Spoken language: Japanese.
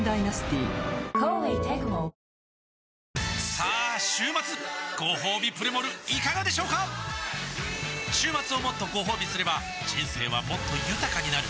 さあ週末ごほうびプレモルいかがでしょうか週末をもっとごほうびすれば人生はもっと豊かになる！